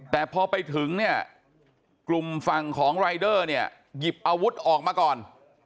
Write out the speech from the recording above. แต่พอไปถึงกลุ่มฝั่งของรายเดอร์หยิบอาวุธออกมาก่อน